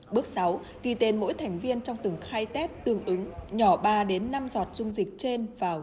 bước sáu ghi tên mỗi thành viên trong từng khay test tương ứng nhỏ ba đến năm giọt dung dịch trên vào